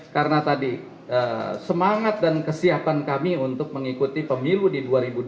karena tadi semangat dan kesiapan kami untuk mengikuti pemilu di dua ribu dua puluh empat